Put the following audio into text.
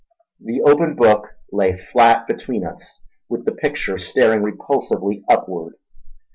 The open book lay flat between us, with the picture staring repulsively upward.